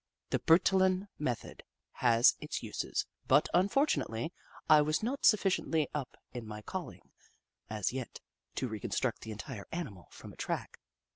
The Bertillon method has its uses, but unfortunately I was not sufficiently up in my calling, as yet, to reconstruct the entire animal from a track.